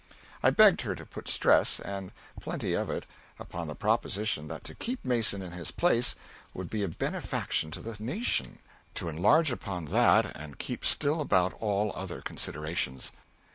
I begged her to put stress, and plenty of it, upon the proposition that to keep Mason in his place would be a benefaction to the nation; to enlarge upon that, and keep still about all other considerations.